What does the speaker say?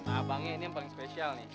abangnya ini yang paling spesial nih